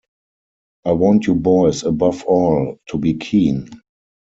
I want you boys above all to be keen.